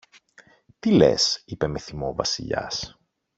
Τι λες; είπε με θυμό ο Βασιλιάς.